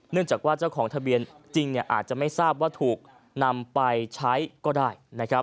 จากว่าเจ้าของทะเบียนจริงอาจจะไม่ทราบว่าถูกนำไปใช้ก็ได้นะครับ